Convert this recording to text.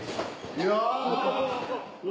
いや！